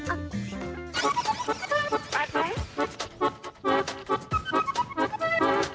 อ่า